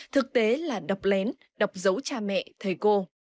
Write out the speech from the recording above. đó chính là đọc lén đọc dấu cha mẹ thầy cô